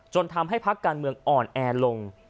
ทำให้พักการเมืองอ่อนแอลง